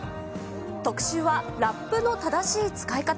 特集は、ラップの正しい使い方。